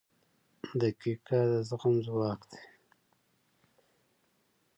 • دقیقه د زغم ځواک دی.